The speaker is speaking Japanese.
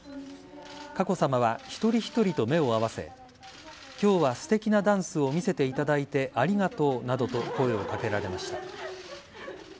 佳子さまは一人一人と目を合わせ今日はすてきなダンスを見せていただいてありがとうなどと声を掛けられました。